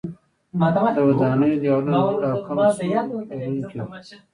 د ودانیو دیوالونه لوړ او کم سور لرونکي وو.